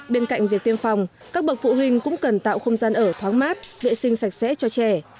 bên cạnh việc tiêm phòng các bậc phụ huynh cũng cần tạo không gian ở thoáng mát vệ sinh sạch sẽ cho trẻ